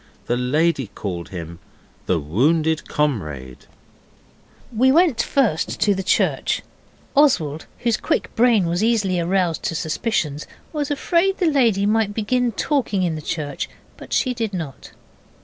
The lady called him 'The Wounded Comrade'. We went first to the church. Oswald, whose quick brain was easily aroused to suspicions, was afraid the lady might begin talking in the church, but she did not.